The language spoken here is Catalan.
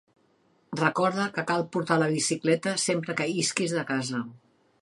Recorda que cal portar la bicicleta sempre que isques de casa.